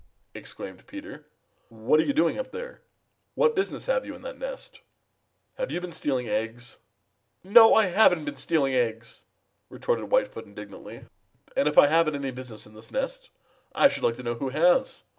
exclaimed Peter. "What are you doing up there? What business have you in that nest? Have you been stealing eggs?" "No, I haven't been stealing eggs," retorted Whitefoot indignantly. "And if I haven't any business in this nest I should like to know who has.